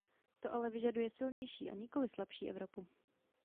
To ale vyžaduje silnější, a nikoli slabší Evropu.